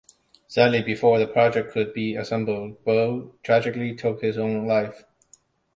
Sadly, before the project could be assembled Bud tragically took his own life.